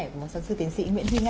của sáng sư tiến sĩ nguyễn duy nga